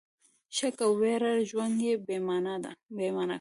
شک او ویره ژوند بې مانا کوي.